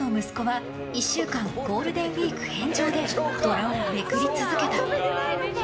パパと息子は１週間ゴールデンウィーク返上でドラをめくり続けた。